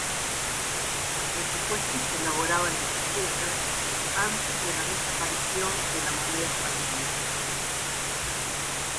Los presupuestos se elaboraban en pesetas antes de la desaparición de la moneda española.